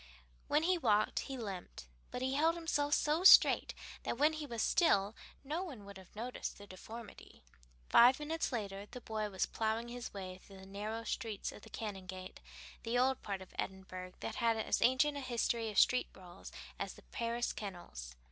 When he walked he limped, but he held himself so straight that when he was still no one would have noticed the deformity. Five minutes later the boy was plowing his way through the narrow streets of the Canongate, the old part of Edinburgh that had as ancient a history of street brawls as the Paris kennels.